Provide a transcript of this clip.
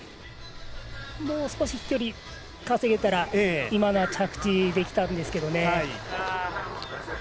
もう少し飛距離を稼げたら今のは着地できたんですけどね。